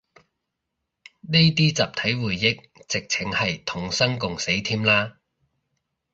呢啲集體回憶，直程係同生共死添啦